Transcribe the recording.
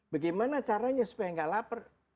bagaimana caranya supaya nggak lapar